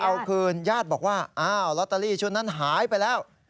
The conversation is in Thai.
เอาคืนญาติบอกว่าอ้าวลอตเตอรี่ชุดนั้นหายไปแล้ว